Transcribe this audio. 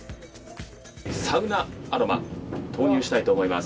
サウナアロマ投入したいと思います。